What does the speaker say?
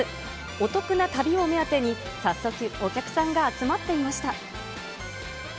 お得な旅を目当てに、早速、お客さんが集まっていました。